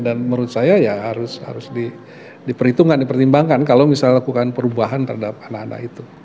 dan menurut saya ya harus diperhitungkan dipertimbangkan kalau misalnya lakukan perubahan terhadap anak anak itu